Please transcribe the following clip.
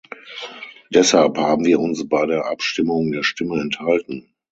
Deshalb haben wir uns bei der Abstimmung der Stimme enthalten.